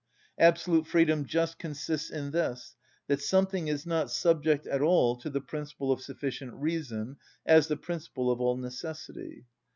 Absolute freedom just consists in this, that something is not subject at all to the principle of sufficient reason, as the principle of all necessity.